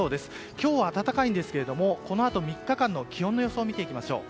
今日は暖かいですがこのあと３日間の気温の予想を見ていきましょう。